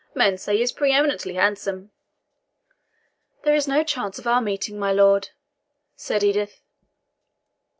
Men say he is pre eminently handsome." "There is no chance of our meeting, my lord," said Edith.